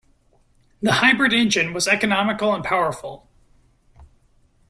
The hybrid engine was economical and powerful.